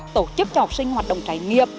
tổ chức cho học sinh hoạt động trải nghiệp